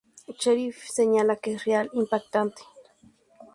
Sheriff señala que es real, impactante.